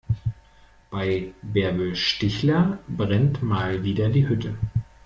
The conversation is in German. Bei Bärbel Stichler brennt mal wieder die Hütte.